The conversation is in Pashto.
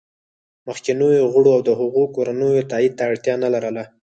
مخکینیو غړو او د هغوی کورنیو تایید ته اړتیا نه لرله